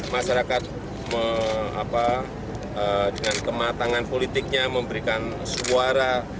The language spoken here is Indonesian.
masyarakat dengan kematangan politiknya memberikan suara